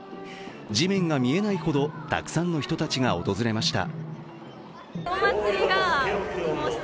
地面が見えないほどたくさんの人たちが訪れました。